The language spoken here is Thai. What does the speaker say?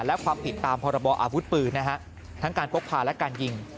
และความผิดตามพรบออาวุธปืนนะฮะทั้งการพกพาและการยิง